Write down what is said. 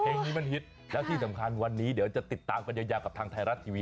เฮ้ยนี่มันฮิษแล้วที่สำคัญวันนี้เดี๋ยวเราจะติดตามไปยากกับทางทายรัชทีวี